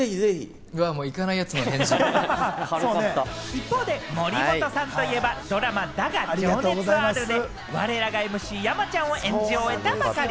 一方で森本さんといえば、ドラマ『だが、情熱はある』で我らがＭＣ・山ちゃんを演じ終えたばかり。